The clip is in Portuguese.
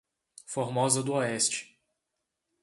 Formosa do Oeste